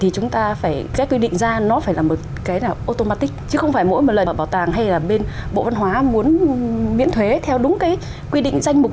các quy định danh mục